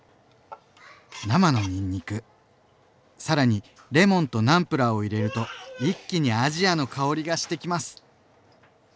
生のにんにく更にレモンとナムプラーを入れると一気にアジアの香りがしてきます。